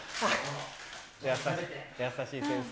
優しい先生。